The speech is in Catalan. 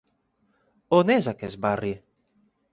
On és aquest barri?